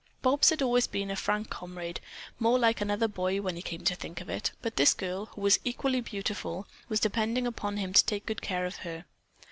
Bobs had always been a frank comrade, more like another boy, when he came to think of it, but this girl, who was equally beautiful, was depending upon him to take good care of her.